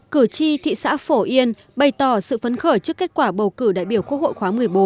cử tri thị xã phổ yên bày tỏ sự phấn khởi trước kết quả bầu cử đại biểu quốc hội khóa một mươi bốn